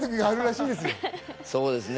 いや、そうですね。